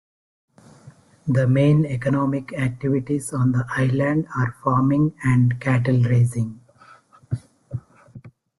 The main economic activities on the island are farming and cattle raising.